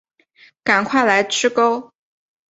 赶快来吃钩